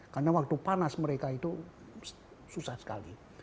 karena waktu panas mereka itu susah sekali